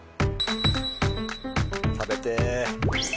食べてえ。